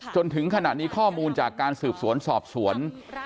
จนถึงขณะนี้ข้อมูลจากการสืบสวนสอบสวน